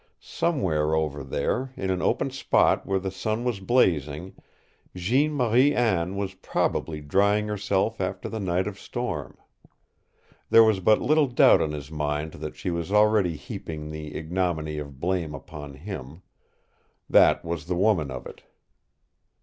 Somewhere over there, in an open spot where the sun was blazing, Jeanne Marie Anne was probably drying herself after the night of storm. There was but little doubt in his mind that she was already heaping the ignominy of blame upon him. That was the woman of it.